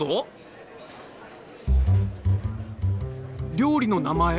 料理の名前